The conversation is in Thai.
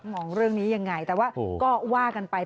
มองเรื่องนี้ยังไงแต่ว่าก็ว่ากันไป